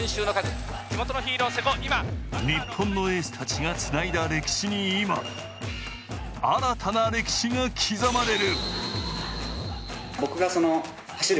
日本のエースたちがつないだ歴史に今、新たな歴史が刻まれる。